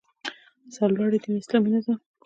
سرلوړی دې وي اسلامي نظام